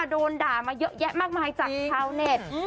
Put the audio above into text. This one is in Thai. โดนด่ามาเยอะแยะมากมายจากชาวเน็ต